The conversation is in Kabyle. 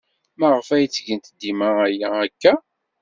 Maɣef ay ttgent dima aya akka?